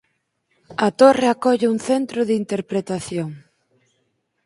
A torre acolle un centro de interpretación.